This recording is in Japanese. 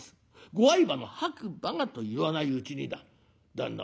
ご愛馬の白馬が』と言わないうちにだ旦那